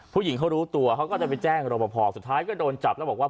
ผู้หญิงเขารู้ตัวเขาก็จะไปแจ้งรบพอสุดท้ายก็โดนจับแล้วบอกว่า